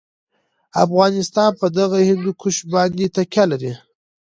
افغانستان په دغه هندوکش باندې تکیه لري.